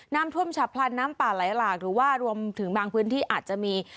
น้ำท่วมฉับพลันน้ำป่าไหลหลากหรือว่ารวมถึงบางพื้นที่อาจจะมี